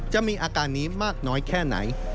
จะมีอาการนี้มากน้อยแค่ไหน